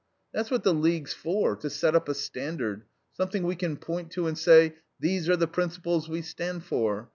"That's what the League's for, to set up a standard, something we can point to and say: These are the principles we stand for.